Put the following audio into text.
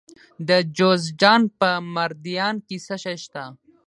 د جوزجان په مردیان کې څه شی شته؟